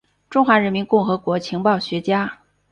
中华人民共和国情报学家。